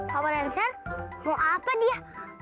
power lancer mau apa dia